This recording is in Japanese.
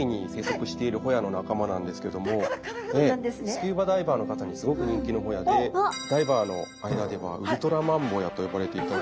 スキューバダイバーの方にすごく人気のホヤでダイバーの間ではウルトラマンボヤと呼ばれていたり。